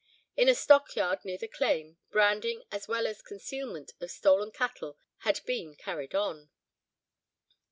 In a stockyard near the claim, branding as well as concealment of stolen cattle had been carried on.